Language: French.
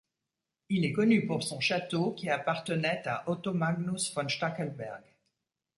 Il est connu pour son château qui appartenait à Otto Magnus von Stackelberg.